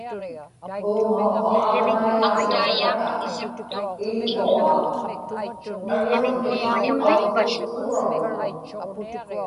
uumauvva aġnaiyaam iqsraŋa iḷguġaa; argaŋnik auktuuqtuuraġuŋ